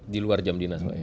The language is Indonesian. di luar jam dinas pak ya